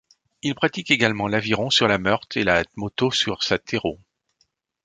Il pratique également l'aviron sur la Meurthe et la moto sur sa Terrot.